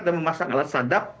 dan memasang alat sadap